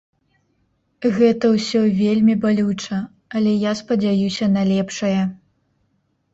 Гэта ўсё вельмі балюча, але я спадзяюся на лепшае.